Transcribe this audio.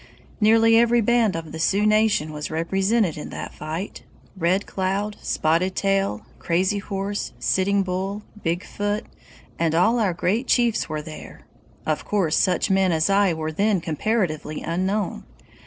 ] "Nearly every band of the Sioux nation was represented in that fight Red Cloud, Spotted Tail, Crazy Horse, Sitting Bull, Big Foot, and all our great chiefs were there. Of course such men as I were then comparatively unknown.